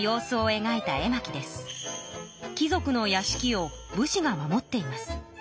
貴族のやしきを武士が守っています。